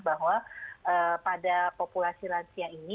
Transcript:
bahwa pada populasi lansia ini